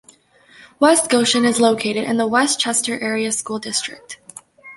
West Goshen is located in the West Chester Area School District.